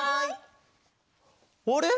あれ？